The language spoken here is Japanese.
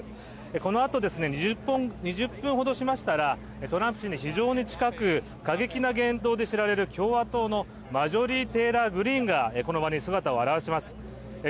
このあと、２０分ほどしましたらトランプ氏に非常に近く過激な言動で知られる共和党のマジョリー・テイラー・グリーンがこの場に姿を現します。